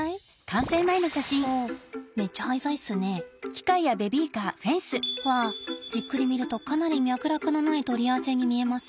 おおめっちゃ廃材っすねえ。わあじっくり見るとかなり脈絡のない取り合わせに見えます。